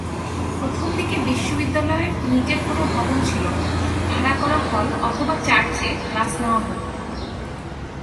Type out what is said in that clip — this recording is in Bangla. প্রথমদিকে বিশ্ববিদ্যালয়ের নিজের কোন ভবন ছিলনা, ভাড়া করা হল অথবা চার্চে ক্লাস নেওয়া হত।